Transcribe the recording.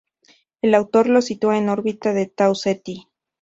El autor lo sitúa en órbita de Tau Ceti.